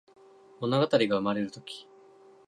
ものがたりがうまれるとき